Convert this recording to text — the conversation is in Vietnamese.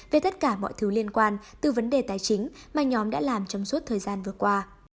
về tất cả mọi thứ liên quan từ vấn đề tài chính mà nhóm đã làm trong suốt thời gian vừa qua